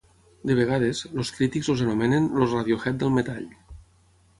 De vegades, els crítics els anomenen "els Radiohead del metall".